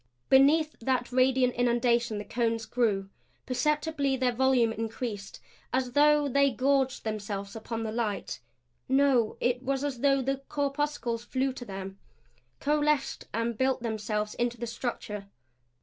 Beneath that radiant inundation the cones grew. Perceptibly their volume increased as though they gorged themselves upon the light. No it was as though the corpuscles flew to them, coalesced and built themselves into the structure.